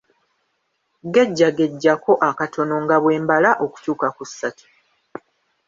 Gejjagejjako akatono nga bwe mbala okutuuka ku ssatu.